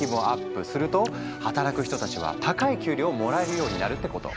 すると働く人たちは高い給料をもらえるようになるってこと。